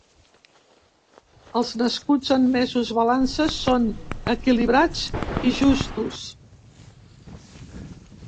Els nascuts en mesos balança són equilibrats i justos